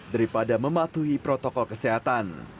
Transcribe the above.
daripada mematuhi protokol kesehatan